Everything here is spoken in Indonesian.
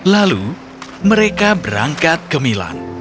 lalu mereka berangkat ke milan